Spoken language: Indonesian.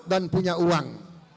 dan punya uang